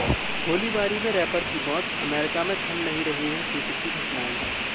गोलीबारी में रैपर की मौत, अमेरिका में थम नहीं रही हैं शूटिंग की घटनाएं